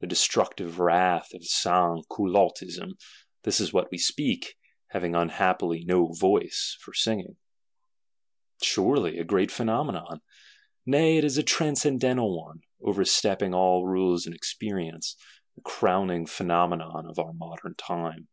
The "destructive wrath" of Sansculottism: this is what we speak, having unhappily no voice for singing. Surely a great Phenomenon: nay it is a transcendental one, overstepping all rules and experience; the crowning Phenomenon of our Modern Time.